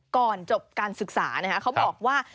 ก่อนจบการศึกษาเขาบอกว่า